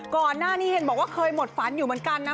ก่อนหน้านี้เห็นบอกว่าเคยหมดฝันอยู่เหมือนกันนะ